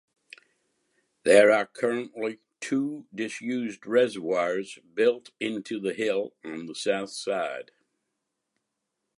There are currently two disused reservoirs built into the hill on the south side.